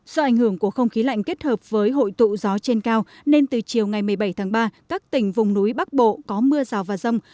do ảnh hưởng của không khí lạnh kết hợp với hội tụ gió trên cao nên từ chiều ngày một mươi bảy tháng ba các tỉnh vùng núi bắc bộ có mưa rào và rông